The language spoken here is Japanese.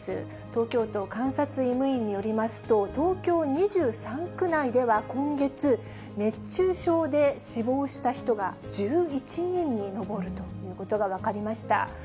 東京都監察医務院によりますと、東京２３区内では今月、熱中症で死亡した人が１１人に上るということが分かりました。